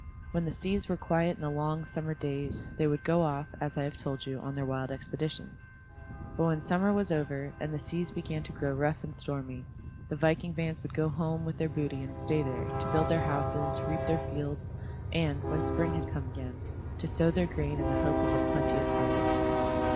When the seas were quiet in the long, summer days, they would go off, as I have told you, on their wild expeditions. But when summer was over, and the seas began to grow rough and stormy, the viking bands would go home with their booty and stay there, to build their houses, reap their fields, and, when spring had come again, to sow their grain in the hope of a plenteous harvest.